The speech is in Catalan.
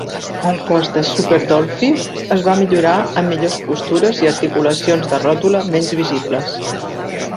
El cos de Super Dollfie es va millorar amb millors postures i articulacions de ròtula menys visibles.